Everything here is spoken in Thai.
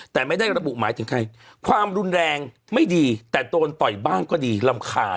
แต่ไม่ได้ระบุหมายถึงใครความรุนแรงไม่ดีแต่โดนต่อยบ้างก็ดีรำคาญ